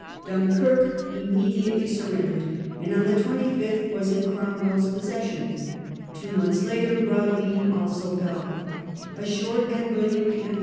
Dunkirk immediately surrendered, and on the 25th was in Cromwell's possession. Two months later Grave Surrender lines also fell. A short and brilliant campaign ju?